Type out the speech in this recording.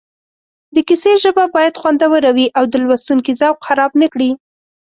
د کیسې ژبه باید خوندوره وي او د لوستونکي ذوق خراب نه کړي